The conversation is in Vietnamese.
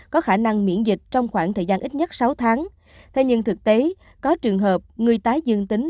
có khả năng miễn dịch trong khoảng thời gian ít nhất sáu tháng thế nhưng thực tế có trường hợp người tái dương tính